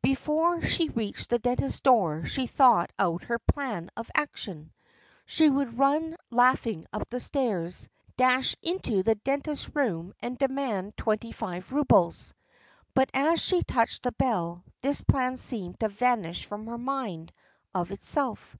Before she reached the dentist's door she thought out her plan of action: she would run laughing up the stairs, dash into the dentist's room and demand twenty five roubles. But as she touched the bell, this plan seemed to vanish from her mind of itself.